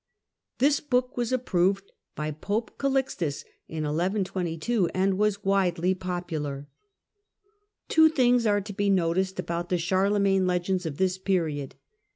This book was approved ay Pope Calixtus in 1122, and was widely popular. Two things are to be noticed about the Charlemagne Charles as jends of this period.